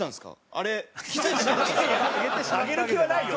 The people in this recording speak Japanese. あげる気はないよ